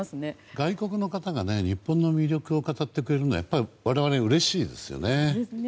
外国の方が日本の魅力を語ってくれるのはやっぱり我々うれしいですね。